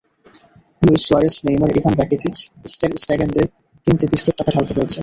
Luis Suarez, Neymar, Ivan Rakitic, ter স্টেগেনদের কিনতে বিস্তর টাকা ঢালতে হয়েছে।